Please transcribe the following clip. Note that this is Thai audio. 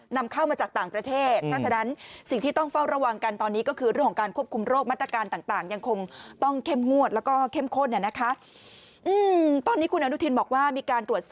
นำเข้ามาจากต่างประเทศถ้าฉะนั้นสิ่งที่ต้องเฝ้าระวังกันตอนนี้